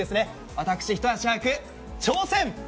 私、一足早く挑戦！